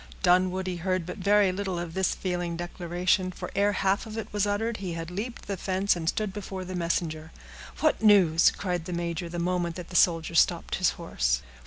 Dunwoodie heard but very little of this feeling declaration; for, ere half of it was uttered, he had leaped the fence and stood before the messenger. "What news?" cried the major, the moment that the soldier stopped his horse.